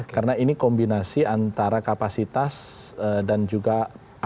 karena ini kombinasi antara kapasitas dan juga akseptabilitas